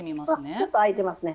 ちょっと空いてますね。